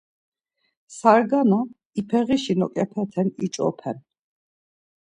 Sargana ipeğişi noǩepiten iç̌open.